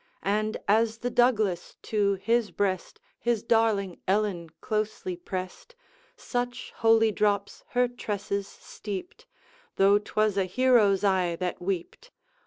And as the Douglas to his breast His darling Ellen closely pressed, Such holy drops her tresses steeped, Though 't was an hero's eye that weeped.